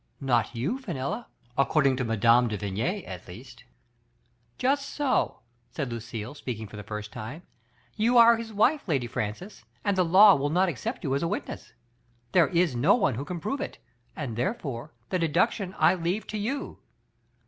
Not you, Fenella; according to Mme. de Vigny, at least. Just so» said Lucille, speaking for the first time. You are his wife, Lady Francis, and the law will not accept you ^s a witness. There is no one who can prove it, and therefore, the deduc tion I leave to you.